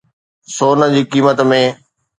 سون جي قيمت ۾